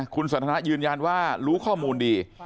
คุณสันทนายืนยันว่ารู้ข้อมูลดี